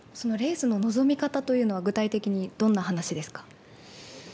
レースの臨み方というのは具体的にどんな話ですか？